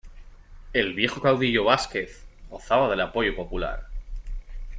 El viejo caudillo Vásquez gozaba del apoyo popular.